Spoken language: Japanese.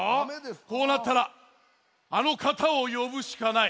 こうなったらあのかたをよぶしかない。